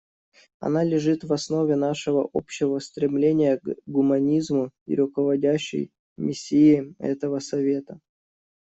Она лежит в основе нашего общего стремления к гуманизму и руководящей миссии этого Совета.